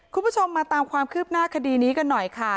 คุณผู้ชมมาตามความคืบหน้าคดีนี้กันหน่อยค่ะ